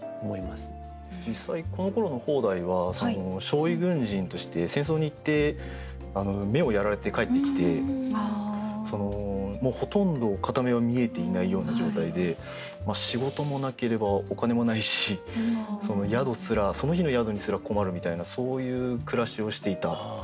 実際このころの方代は傷痍軍人として戦争に行って目をやられて帰ってきてもうほとんど片目は見えていないような状態で仕事もなければお金もないし宿すらその日の宿にすら困るみたいなそういう暮らしをしていた。